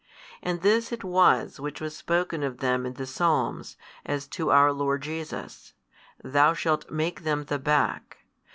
And this it was which was spoken of them in the Psalms, as to our Lord Jesus, Thou shalt make them the back.